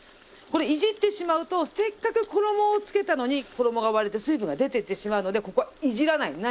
これいじってしまうとせっかく衣をつけたのに衣が割れて水分が出ていってしまうのでここはいじらない！